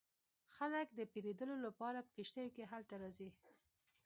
خلک د پیرودلو لپاره په کښتیو کې هلته راځي